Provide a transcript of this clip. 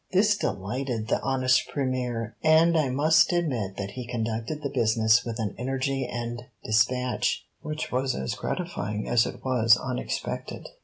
This delighted the honest Premier, and I must admit that he conducted the business with an energy and despatch which was as gratifying as it was unexpected.